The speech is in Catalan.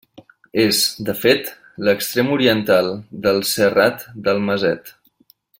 És, de fet, l'extrem oriental del Serrat del Maset.